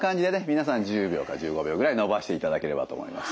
皆さん１０秒か１５秒ぐらい伸ばしていただければと思います。